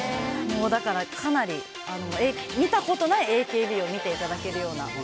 だから、かなり見たことないＡＫＢを見ていただけるような。